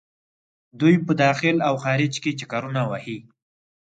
دوۍ په داخل او خارج کې چکرونه وهي.